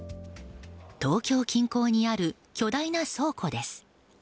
東京近郊にある巨大な倉庫です。